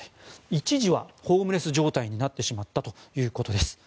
一時はホームレス状態になってしまったということです。